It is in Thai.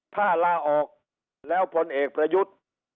ถ้าลาออกแล้วพลเอกประยุทธ์